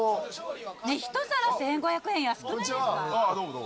１皿１，５００円安くないですか？